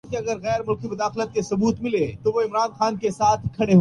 زمینی سطح اور نچلے کرۂ ہوائی کے گرمانے